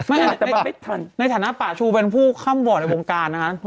ไม่แต่ในฐานะป่าชูเป็นผู้ค่ำบ่อนในวงการนะฮะ